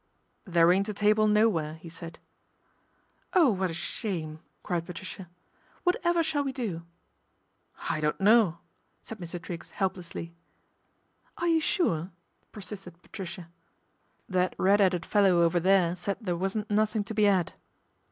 " There ain't a table nowhere," he said. " Oh, what a shame !" cried Patricia. " What ever shall we do ?"" I don't know," said Mr. Triggs helplessly. " Are you sure ?" persisted Patricia. " That red 'eaded fellow over there said there wasn't nothing to be 'ad."